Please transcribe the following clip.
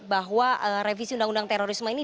bahwa revisi undang undang terorisme ini